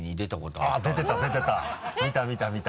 あっ出てた出てた！